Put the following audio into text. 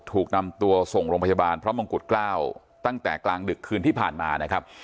ถูกนำตัวส่งโรงพยาบาลพระมงกุฎเกล้าตั้งแต่กลางดึกคืนที่ผ่านมานะครับ